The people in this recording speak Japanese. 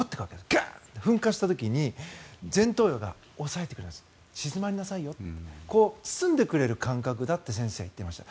グーンと噴火した時に前頭葉が抑えてくれる鎮まりなさいよと包んでくれる感覚だと先生は言っていました。